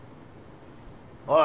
おい。